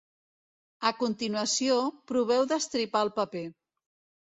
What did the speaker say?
A continuació, proveu d'estripar el paper.